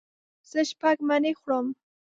زه شپږ مڼې خورم.